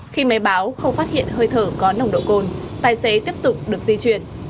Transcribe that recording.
khi máy báo không phát hiện hơi thở có nồng độ cồn tài xế tiếp tục được di chuyển